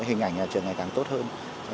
hình ảnh nhà trường ngày càng tốt hơn